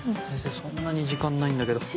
そんなに時間ないんだけど。